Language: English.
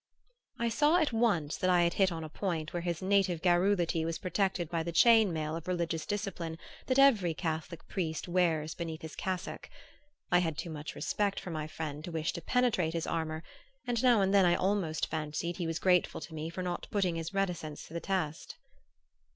I saw at once that I had hit on a point where his native garrulity was protected by the chain mail of religious discipline that every Catholic priest wears beneath his cassock. I had too much respect for my friend to wish to penetrate his armor, and now and then I almost fancied he was grateful to me for not putting his reticence to the test.